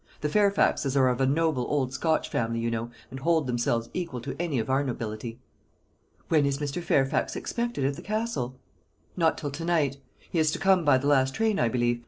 The Fairfaxes are of a noble old Scotch family, you know, and hold themselves equal to any of our nobility." "When is Mr. Fairfax expected at the Castle?" "Not till to night. He is to come by the last train, I believe.